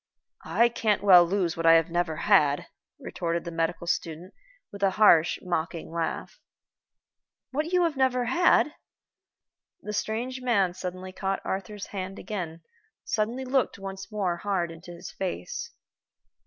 "I can't well lose what I have never had," retorted the medical student, with a harsh mocking laugh. "What you have never had!" The strange man suddenly caught Arthur's hand again, suddenly looked once more hard in his face.